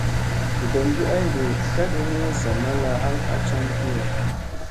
Veɗengi ay ɗeɗee kaɗi ni, zamalla hal a can kiyo.